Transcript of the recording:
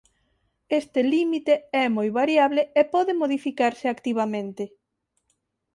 Este límite é moi variable e pode modificarse activamente.